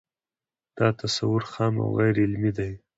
دا تصور خام او غیر علمي دی